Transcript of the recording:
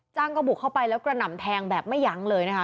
ก็บุกเข้าไปแล้วกระหน่ำแทงแบบไม่ยั้งเลยนะคะ